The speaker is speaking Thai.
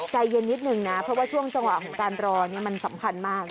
ใจเย็นนิดนึงนะเพราะว่าช่วงจังหวะของการรอนี่มันสำคัญมาก